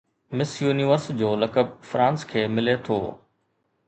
مس universe جو لقب France کي ملي ٿو